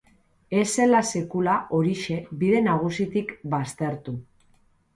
Ez zela sekula Orixe bide nagusitik baztertu